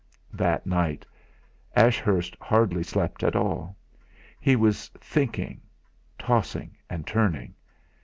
That night Ashurst hardly slept at all. He was thinking, tossing and turning.